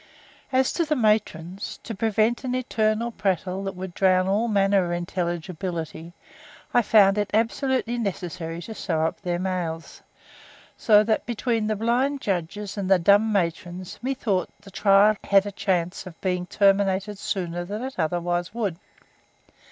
As to the matrons, to prevent an eternal prattle that would drown all manner of intelligibility, I found it absolutely necessary to sew up their mouths; so that between the blind judges and the dumb matrons methought the trial had a chance of being terminated sooner than it otherwise would.